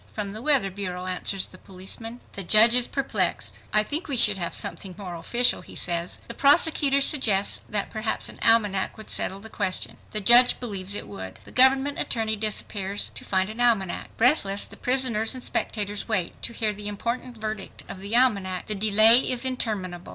"From the weather bureau," answers the policeman. The judge is perplexed. "I think we should have something more official," he says. The prosecutor suggests that perhaps an almanac would settle the question. The judge believes it would. The government attorney disappears to find an almanac. Breathless, the prisoners and spectators wait to hear the important verdict of the almanac. The delay is interminable.